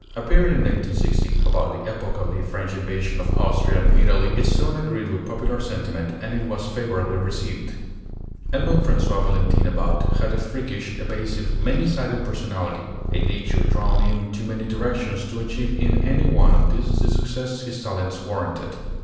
Appearing in 1860, about the epoch of the French invasion of Austrian Italy, its tone agreed with popular sentiment and it was favorably received. [Illustration: EDMOND ABOUT] Edmond François Valentin About had a freakish, evasive, many sided personality, a nature drawn in too many directions to achieve in any one of these the success his talents warranted.